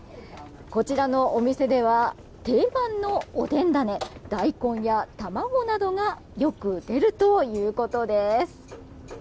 こちらのお店では定番のおでん種大根や卵などがよく出るということです。